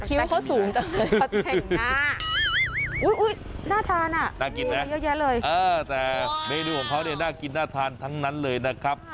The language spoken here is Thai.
อุ๊ยน่าทานน่ะน่ากินไหมแต่เมนูของเขาน่ากินน่าทานทั้งนั้นเลยนะครับ